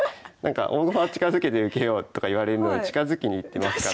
大駒は近づけて受けよとかいわれるのに近づきに行ってますから。